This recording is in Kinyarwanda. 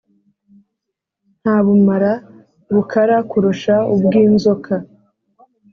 Nta bumara bukara kurusha ubw’inzoka,